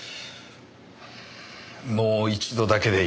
もう一度だけでいい